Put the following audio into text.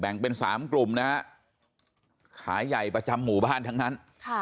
เป็น๓กลุ่มนะฮะขายใหญ่ประจำหมู่บ้านทั้งนั้น